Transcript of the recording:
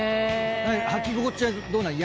⁉履き心地はどうなの？